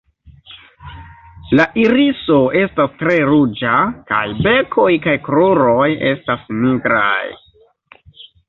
La iriso estas tre ruĝa kaj bekoj kaj kruroj estas nigraj.